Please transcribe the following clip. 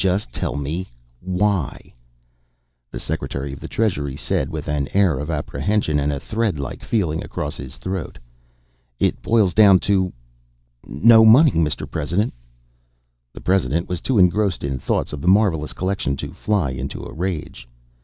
Just tell me why." The Secretary of the Treasury said with an air of apprehension and a thread like feeling across his throat: "It boils down to no money, Mr. President." The President was too engrossed in thoughts of the marvelous collection to fly into a rage.